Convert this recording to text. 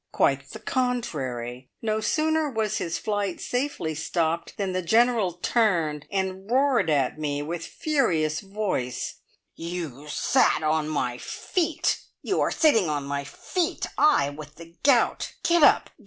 Quite the contrary! No sooner was his flight safely stopped than the General turned and roared at me with furious voice: "You sat on my feet! You are sitting on my feet! I, with the gout! Get up!